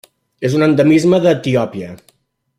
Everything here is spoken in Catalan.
És un endemisme d'Etiòpia.